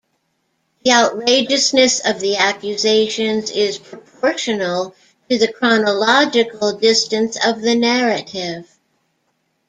The outrageousness of the accusations is proportional to the chronological distance of the narrative.